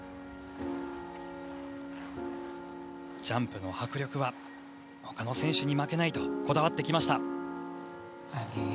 ジャンプの迫力はほかの選手に負けないとこだわってきました。